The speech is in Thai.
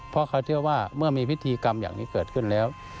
เพราะเขาเชื่อว่าเมื่อมีพิธีกรรมอย่างนี้เกิดขึ้นแล้ว